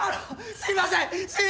すいません！